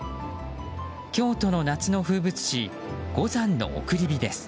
京都の夏の風物詩五山の送り火です。